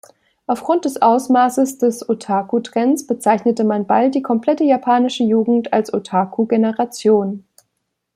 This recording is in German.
Aufgrund des Ausmaßes des Otaku-Trends bezeichnete man bald die komplette japanische Jugend als "Otaku-Generation".